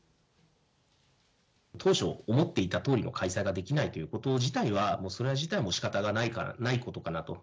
当初思っていたとおりの開催ができないということ自体は、それ自体はもうしかたがないことかなと。